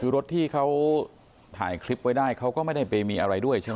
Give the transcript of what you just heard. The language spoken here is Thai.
คือรถที่เขาถ่ายคลิปไว้ได้เขาก็ไม่ได้ไปมีอะไรด้วยใช่ไหม